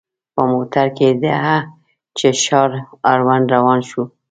په موټر کې د هه چه ښار اړوند روان شوو.